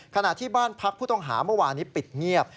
ขณะที่บ้านพักผู้ต้องหาเมื่อวานนี้ปิดเงียบ